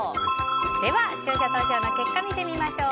では視聴者投票の結果見てみましょう。